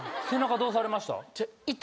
どうされました？